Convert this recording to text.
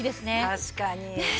確かに。